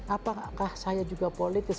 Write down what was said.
apakah saya juga politis